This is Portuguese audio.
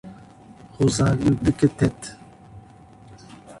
Rosário do Catete